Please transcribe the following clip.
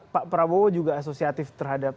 pak prabowo juga asosiatif terhadap